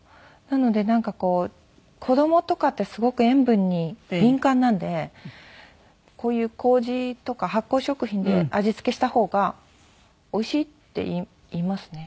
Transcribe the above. なのでなんかこう子供とかってすごく塩分に敏感なんでこういう麹とか発酵食品で味付けした方が「おいしい」って言いますね。